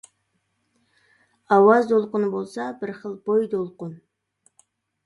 ئاۋاز دولقۇنى بولسا بىر خىل بوي دولقۇن.